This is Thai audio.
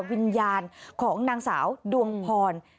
วิญญาณของนางสาวดวงพร